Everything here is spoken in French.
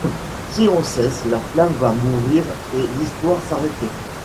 Si on cesse, la flamme va mourir et l’histoire s’arrêter.